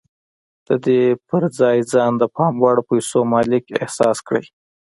د دې پر ځای ځان د پام وړ پيسو مالک احساس کړئ.